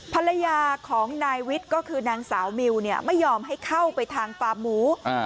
ภรรยาของนายวิทย์ก็คือนางสาวมิวไม่ยอมให้เข้าไปทางฟาร์มหมู